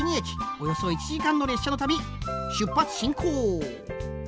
およそ１時間の列車の旅出発進行！